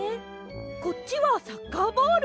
こっちはサッカーボール。